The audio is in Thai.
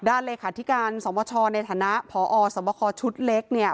ด้านเลยค่ะที่การสมชอบในฐานะพอสมคชุดเล็กเนี่ย